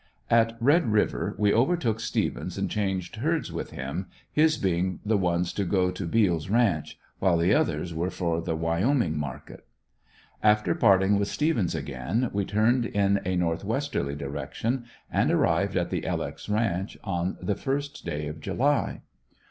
At Red river we overtook Stephens and changed herds with him, his being the ones to go to Beal's ranch, while the others were for the Wyoming market. After parting with Stephens again we turned in a northwesterly direction and arrived at the "L. X." ranch on the first day of July.